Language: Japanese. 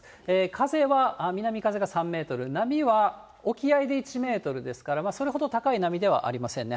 風は南風が３メートル、波は沖合で１メートルですから、それほど高い波ではありませんね。